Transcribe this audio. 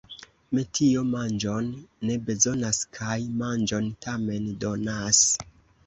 Metio manĝon ne bezonas kaj manĝon tamen donas.